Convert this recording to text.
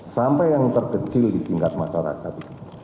sampai yang terkecil di tingkat masyarakat